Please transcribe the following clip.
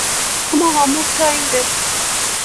Chomok kamuktaindet